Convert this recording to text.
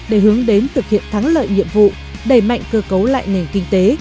để hướng đến thực hiện thắng lợi nhiệm vụ đẩy mạnh cơ cấu lại nền kinh tế